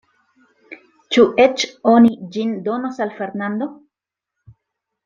Ĉu eĉ oni ĝin donos al Fernando?